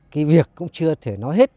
cái việc cũng chưa thể nói hết